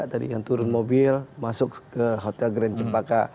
tadi yang turun mobil masuk ke hotel grand cempaka